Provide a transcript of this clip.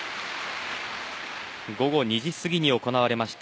午後２時すぎに行われました